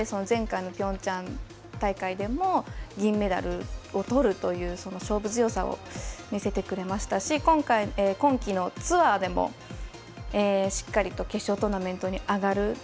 前回のピョンチャン大会でも銀メダルをとるという勝負強さを見せてくれましたし今季のツアーでもしっかり決勝トーナメントに上がる。